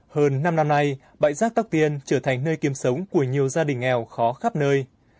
hơn năm năm nay bãi rác tóc tiên trở thành nơi kiếm sống của nhiều gia đình nghèo khó khắp nơi